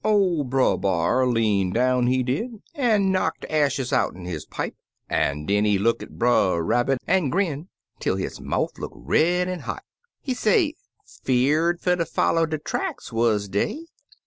or Brer B'ar lean down he did, an' knock de ashes out'n his pipe, an' den he look at Brer Rabbit an' grin twel his mouf look red an' hot. He say, *Fear'd fer ter foller de tracks, wuz dey?